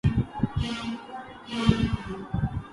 نہ جانوں نیک ہوں یا بد ہوں‘ پر صحبت مخالف ہے